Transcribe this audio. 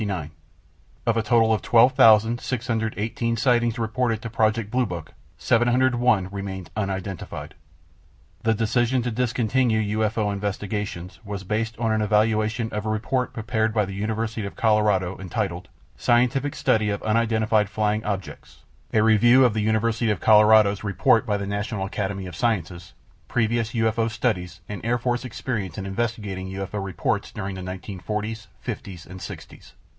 Of a total of 12,618 sightings reported to Project Blue Book, 701 remained "unidentified." The decision to discontinue UFO investigations was based on an evaluation of a report prepared by the University of Colorado entitled, "Scientific Study of Unidentified Flying Objects;" a review of the University of Colorado's report by the National Academy of Sciences; previous UFO studies and Air Force experience investigating UFO reports during the 1940s, '50s and '60s.